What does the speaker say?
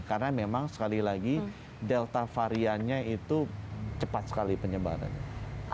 karena memang sekali lagi delta variannya itu cepat sekali penyebarannya